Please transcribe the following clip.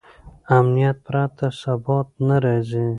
امنیت پرته ثبات نه راځي.